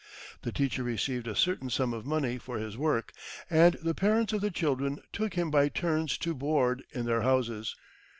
The teacher received a certain sum of money for his work, and the parents of the children took him by turns to board in their houses.